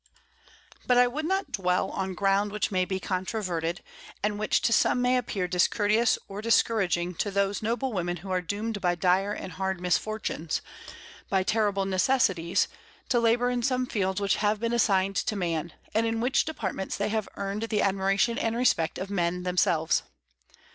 But I would not dwell on ground which may be controverted, and which to some may appear discourteous or discouraging to those noble women who are doomed by dire and hard misfortunes, by terrible necessities, to labor in some fields which have been assigned to man, and in which departments they have earned the admiration and respect of men themselves.